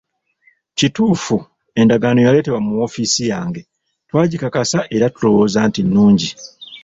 Kituufu, endagaano yaleetebwa mu woofiisi yange, twagikakasa era tulowooza nti nnungi.